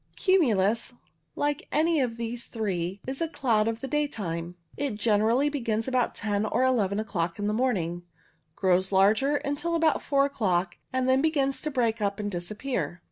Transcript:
Cumulus, like any of these three, is a cloud of the daytime. It generally begins about ten or eleven o'clock in the morning, grows larger until about four o'clock, and then begins to break up and disappear.